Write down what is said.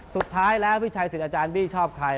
สุดท้ายแล้วพี่ชัยสิทธิ์อาจารย์บี้ชอบใคร